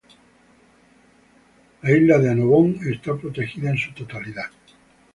La isla de Annobón está protegida en su totalidad.